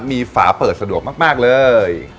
มีฝาเปิดสะดวกมากเลย